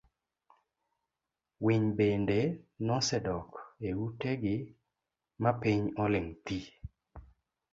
Winy bende nosedok e ute gi mapiny oling' thiii.